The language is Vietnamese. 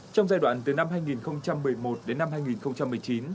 trong giai đoạn từ năm hai nghìn một mươi một đến năm hai nghìn một mươi chín